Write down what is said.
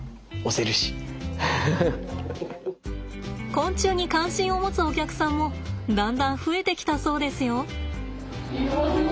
昆虫に関心を持つお客さんもだんだん増えてきたそうですよ。